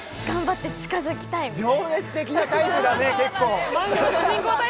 情熱的なタイプだね結構！